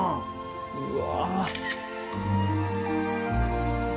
うわ。